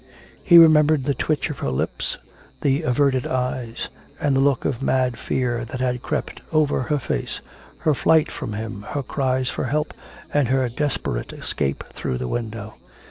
He remembered the twitch of her lips, the averted eyes, and the look of mad fear that had crept over her face, her flight from him, her cries for help, and her desperate escape through the window.